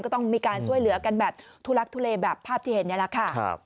ต้องมีการช่วยเหลือกันแบบทุลักทุเลแบบภาพที่เห็นนี่แหละค่ะ